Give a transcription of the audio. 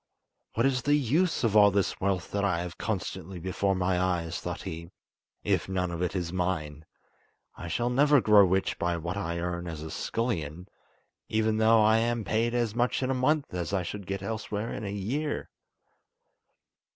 "What is the use of all this wealth that I have constantly before my eyes," thought he, "if none of it is mine? I shall never grow rich by what I earn as a scullion, even though I am paid as much in a month as I should get elsewhere in a year."